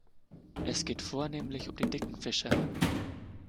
Es geht vornehmlich um die dicken Fische.